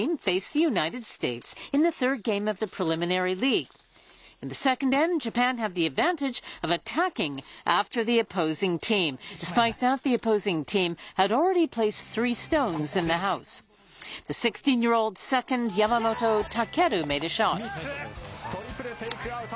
３つ、トリプルテイクアウト。